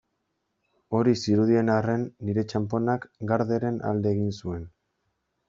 Hori zirudien arren, nire txanponak Garderen alde egin zuen.